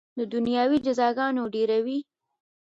د دنیوي جزاګانو ډاروي.